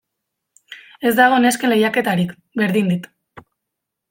Ez dago nesken lehiaketarik, berdin dit.